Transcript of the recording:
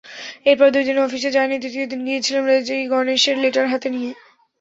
এরপর দুই দিন অফিসে যাইনি, তৃতীয় দিন গিয়েছিলাম রেজিগনেশন লেটার হাতে নিয়ে।